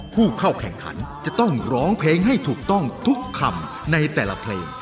ผู้เข้าแข่งขันจะต้องร้องเพลงให้ถูกต้องทุกคำในแต่ละเพลง